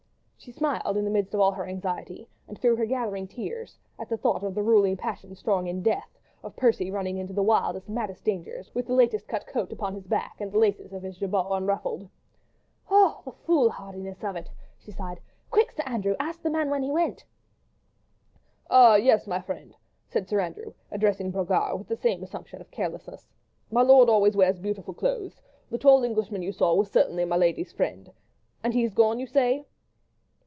She smiled, in the midst of all her anxiety and through her gathering tears, at thought of "the ruling passion strong in death"; of Percy running into the wildest, maddest dangers, with the latest cut coat upon his back, and the laces of his jabot unruffled. "Oh! the foolhardiness of it!" she sighed. "Quick, Sir Andrew! ask the man when he went." "Ah, yes, my friend," said Sir Andrew, addressing Brogard, with the same assumption of carelessness, "my lord always wears beautiful clothes; the tall Englishman you saw, was certainly my lady's friend. And he has gone, you say?"